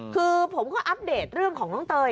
คือผมก็อัปเดตเรื่องของน้องเตย